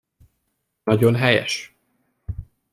Nagyon helyes!